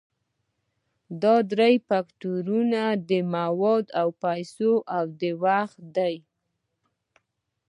دا درې فکتورونه مواد او پیسې او وخت دي.